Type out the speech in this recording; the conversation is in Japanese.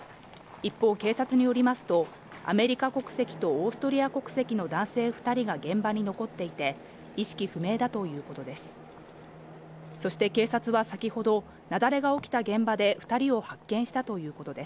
一方、警察によりますと、アメリカ国籍とオーストリア国籍の男性２人が現場に残っていて、意識不明だということです。